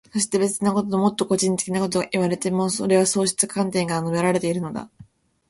そして、別なこと、もっと個人的なことがいわれていても、それはそうした観点から述べられているのだ。